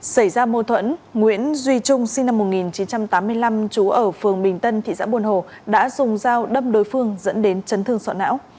xảy ra mâu thuẫn nguyễn duy trung sinh năm một nghìn chín trăm tám mươi năm trú ở phường bình tân thị xã buồn hồ đã dùng dao đâm đối phương dẫn đến chấn thương sọ não